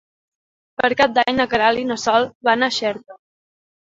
Per Cap d'Any na Queralt i na Sol van a Xerta.